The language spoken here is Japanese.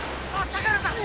高原さん。